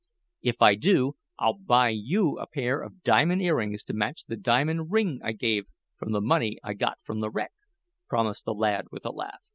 "If I do I'll buy you a pair of diamond earrings to match the diamond ring I gave you from the money I got from the wreck," promised the lad with a laugh.